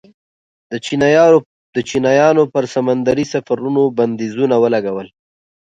د چینایانو پر سمندري سفرونو بندیزونه ولګول.